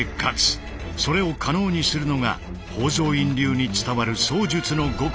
それを可能にするのが宝蔵院流に伝わる槍術の極意円錐の理だ。